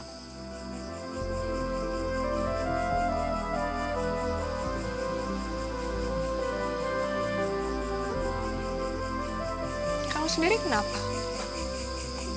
kamu sendiri kenapa